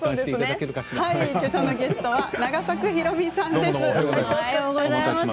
けさのゲストは永作博美さんです。